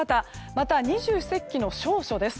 また、二十四節気の小暑です。